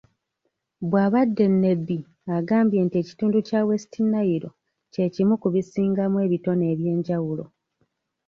Bw'abadde e Nebbi, agambye nti ekitundu kya West Nile ky'ekimu ku bisingamu ebitone eby'enjawulo.